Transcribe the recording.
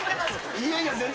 いやいや、全然。